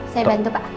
saya bantu pak